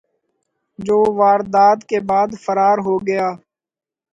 جو واردات کے بعد فرار ہو گیا